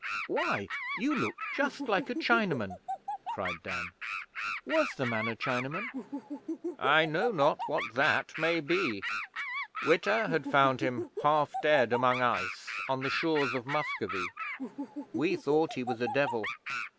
'Why, you look just like a Chinaman!' cried Dan. 'Was the man a Chinaman?' 'I know not what that may be. Witta had found him half dead among ice on the shores of Muscovy. We thought he was a devil.